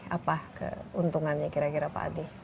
apa keuntungannya kira kira pak adi